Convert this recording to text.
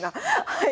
はい。